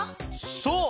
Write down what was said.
そう。